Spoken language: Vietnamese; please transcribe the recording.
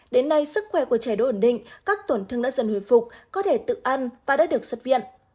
đến nay sức khỏe của trẻ đối ổn định các tổn thương đã dần hồi phục có thể tự ăn và đã được xuất viện